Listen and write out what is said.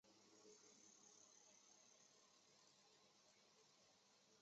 她生了最小的女儿